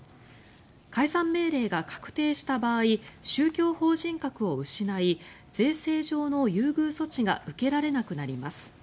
解散命令が確定した場合宗教法人格を失い税制上の優遇措置が受けられなくなります。